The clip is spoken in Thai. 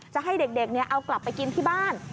จะให้เด็กเอากลับไปกินที่บ้าน